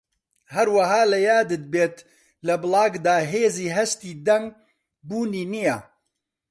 هەروەها لەیادت بێت لە بڵاگدا هێزی هەستی دەنگ بوونی نییە